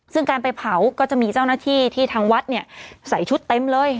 ซึ่งการไปเผาก็จะมีเจ้าหน้าที่ที่ทางวัดเนี่ยใส่ชุดเต็มเลย